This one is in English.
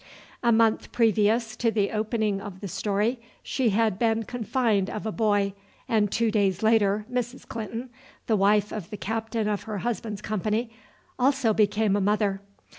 A month previous to the opening of the story she had been confined of a boy, and two days later Mrs. Clinton, the wife of the captain of her husband's company, also became a mother.